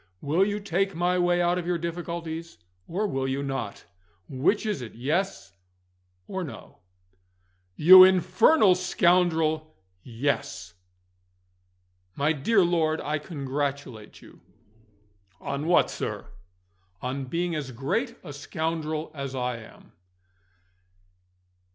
Will you take my way out of your difficulties, or will you not? Which is it Yes or No?" "You infernal scoundrel Yes!" "My dear lord, I congratulate you." "On what, sir?" "On being as great a scoundrel as I am."